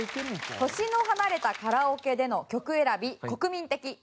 年の離れたカラオケでの曲選び国民的１番目は？